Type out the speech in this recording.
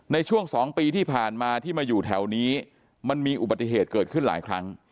ในช่วง๒ปีที่ผ่านมาที่มาอยู่แถวนี้มันมีอุบัติเหตุเกิดขึ้นหลายครั้ง